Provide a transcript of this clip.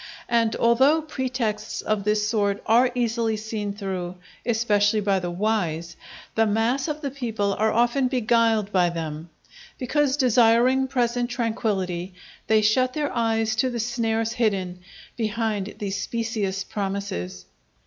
And although pretexts of this sort are easily seen through, especially by the wise, the mass of the people are often beguiled by them, because desiring present tranquillity, they shut their eyes to the snares hidden behind these specious promises.